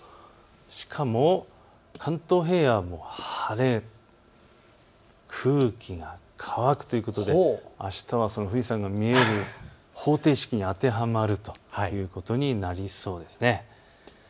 しかも関東平野も晴れ、空気が乾くということであしたは富士山が見える方程式に当てはまるということになりそうです。